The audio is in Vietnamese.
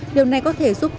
làm ngay trong môi trường nuôi